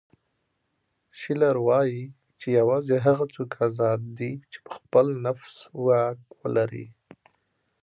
شیلر وایي چې یوازې هغه څوک ازاد دی چې په خپل نفس واک ولري.